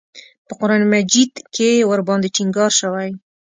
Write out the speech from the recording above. په قران مجید کې ورباندې ټینګار شوی.